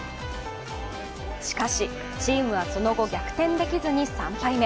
しかし、チームはその後、逆転できずに３敗目。